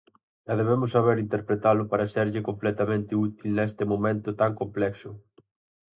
E debemos saber interpretalo para serlle completamente útil neste momento tan complexo.